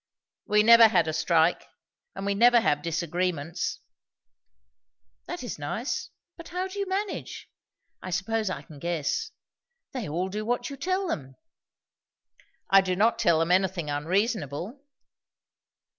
"We never had a strike, and we never have disagreements." "That is nice; but how do you manage? I suppose I can guess! They all do what you tell them." "I do not tell them anything unreasonable."